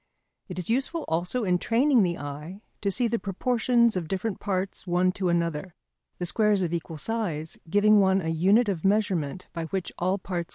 It is useful also in training the eye to see the proportions of different parts one to another, the squares of equal size giving one a unit of measurement by which all parts can be scaled.